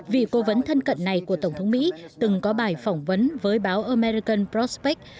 vị cố vấn thân cận này của tổng thống mỹ từng có bài phỏng vấn với báo american prospect